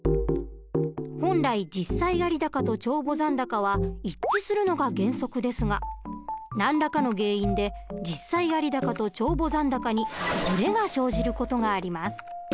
本来実際有高と帳簿残高は一致するのが原則ですが何らかの原因で実際有高と帳簿残高にずれが生じる事があります。